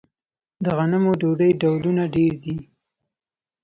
د غنمو ډوډۍ ډولونه ډیر دي.